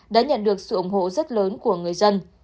đã nhận được sự ủng hộ rất lớn của người dân